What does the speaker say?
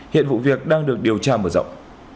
hiện vụ việc đang được điều tra mở rộng